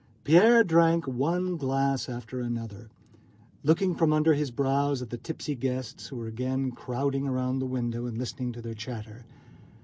Pierre drank one glass after another, looking from under his brows at the tipsy guests who were again crowding round the window, and listening to their chatter.